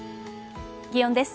気温です。